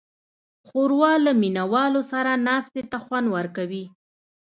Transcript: ښوروا له مینهوالو سره ناستې ته خوند ورکوي.